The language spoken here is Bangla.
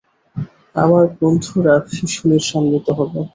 আমার বন্ধুরা ভীষণ ঈর্ষান্বিত হবে।